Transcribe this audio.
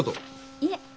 いえ。